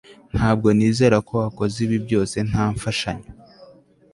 ntabwo nizera ko wakoze ibi byose nta mfashanyo